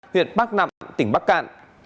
huyện bắc nẵm tỉnh bắc cạn